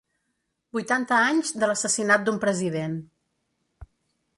Vuitanta anys de l’assassinat d’un president